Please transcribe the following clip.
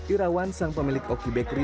irawan sang pemilik oki bakery